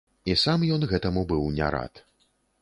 І сам ён гэтаму быў не рад.